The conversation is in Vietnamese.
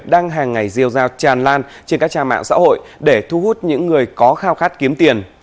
đang hàng ngày rêu rao tràn lan trên các trang mạng xã hội để thu hút những người có khao khát kiếm tiền